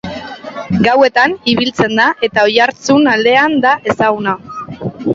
Gauetan ibiltzen da eta Oiartzun aldean da ezaguna.